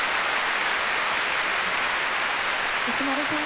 石丸さん